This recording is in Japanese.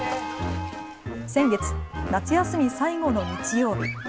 先月、夏休み最後の日曜日。